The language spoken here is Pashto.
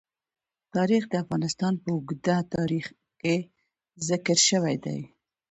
تاریخ د افغانستان په اوږده تاریخ کې ذکر شوی دی.